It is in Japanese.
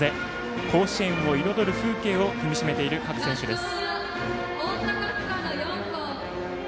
甲子園を彩る風景をかみしめている各選手です。